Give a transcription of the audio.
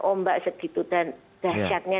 ombak segitu dan dahsyatnya